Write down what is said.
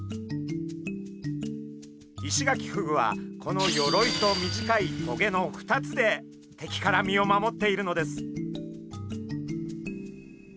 イシガキフグはこの鎧と短い棘の２つで敵から身を守っているのです。